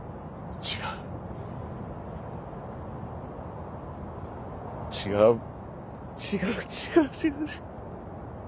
違う違う違う違う。